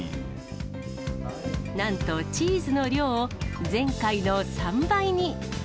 なんとチーズの量を、前回の３倍に。